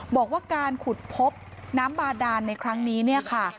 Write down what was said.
บอกว่าการขุดพบน้ำบาดานในครั้งนี้เนี่ยค่ะ